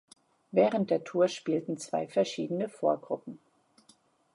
Während der Tour spielten zwei verschiedene Vorgruppen.